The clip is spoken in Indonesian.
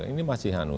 ini masih hanyut